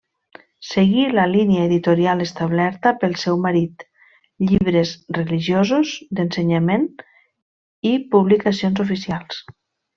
Seguí la línia editorial establerta pel seu marit: llibres religiosos, d'ensenyament i publicacions oficials.